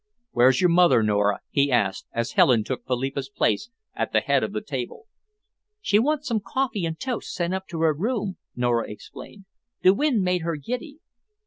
"Where's your mother, Nora?" he asked, as Helen took Philippa's place at the head of the table. "She wants some coffee and toast sent up to her room." Nora explained. "The wind made her giddy."